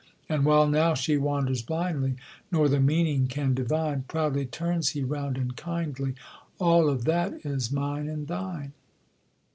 And while now she wanders blindly, Nor the meaning can divine, Proudly turns he round and kindly, 'All of that is mine and thine.'"